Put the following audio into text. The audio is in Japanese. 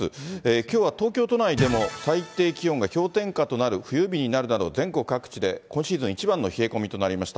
きょうは東京都内でも最低気温が氷点下となる冬日となるなど、今シーズン一番の冷え込みとなりました。